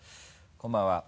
こんばんは。